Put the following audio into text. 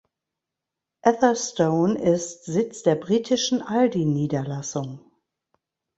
Atherstone ist Sitz der britischen Aldi-Niederlassung.